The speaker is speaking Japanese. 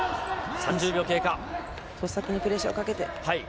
先にプレッシャーをかけて。